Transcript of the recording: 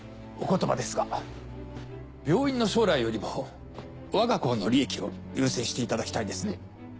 お言葉ですが病院の将来よりも我が行の利益を優先していただきたいですね。